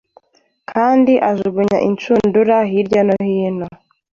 Kandi Ajugunya inshundura hirya no hino